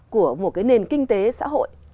của một cái nền kinh tế xã hội